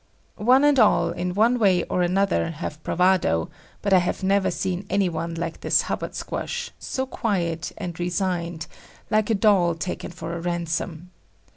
One and all in one way or other have bravado, but I have never seen any one like this Hubbard Squash, so quiet and resigned, like a doll taken for a ransom.